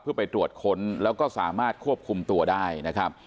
เพื่อไปตรวจค้นแล้วก็สามารถควบคุมตัวได้นะครับ